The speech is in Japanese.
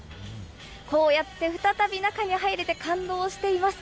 こうやって再び中に入れて感動しています。